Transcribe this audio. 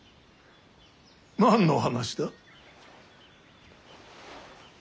何の話だ。